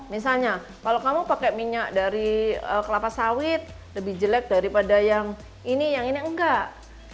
misalnya kalau kamu pakai minyak dari kelapa sawit lebih jelek daripada yang ini yang ini enggak